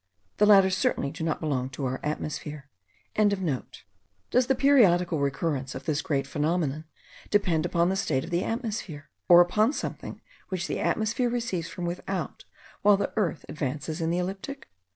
The latter certainly do not belong to our atmosphere.) Does the periodical recurrence of this great phenomenon depend upon the state of the atmosphere? or upon something which the atmosphere receives from without, while the earth advances in the ecliptic?